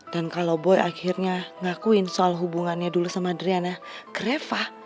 dan kalau boy akhirnya ngakuin soal hubungannya dulu sama adriana ke reva